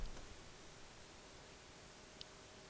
• ته د زړه پر تخت ناست احساس یې.